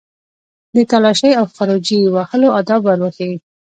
د تالاشۍ او خروجي وهلو آداب ور وښيي.